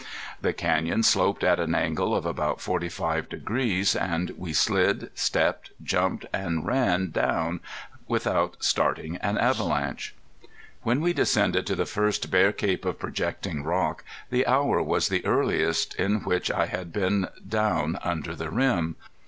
The canyon sloped at an angle of about forty five degrees, and we slid, stepped, jumped and ran down without starting an avalanche. When we descended to the first bare cape of projecting rock the hour was the earliest in which I had been down under the rim.